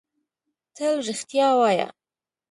تل رښتیا وایۀ!